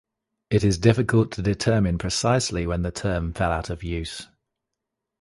It is difficult to determine precisely when the term fell out of use.